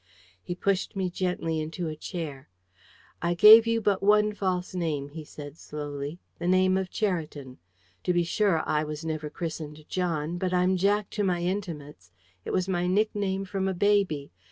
He pushed me gently into a chair. "I gave you but one false name," he said slowly "the name of Cheriton. To be sure I, was never christened John, but I'm Jack to my intimates. It was my nickname from a baby.